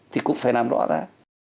thì cũng phải làm rõ ra